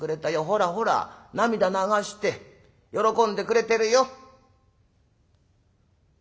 ほらほら涙流して喜んでくれてるよ」。